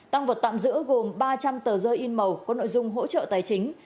tăng vật tạm giữ gồm ba trăm linh tờ rơi in màu có nội dung hỗ trợ tài chính